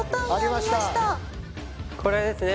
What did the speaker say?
これですね